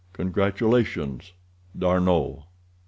Congratulations. D'ARNOT.